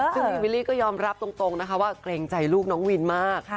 ซึ่งพี่วิลลี่ก็ยอมรับตรงนะคะว่าเกรงใจลูกน้องวินมาก